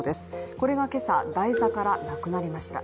これが今朝、台座からなくなりました。